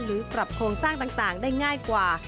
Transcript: หรือปรับโครงสร้างต่างได้ง่ายกว่า